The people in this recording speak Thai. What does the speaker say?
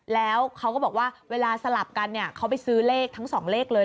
แล้วเขาก็บอกว่าเวลาสลับกันเนี่ยเขาไปซื้อเลขทั้งสองเลขเลย